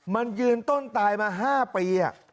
มันยืนต้นตายมา๕ปี